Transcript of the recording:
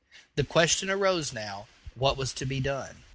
The question arose now, What was to be done?